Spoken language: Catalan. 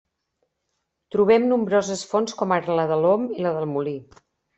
Trobem nombroses fonts com ara la de l'Om i la del Molí.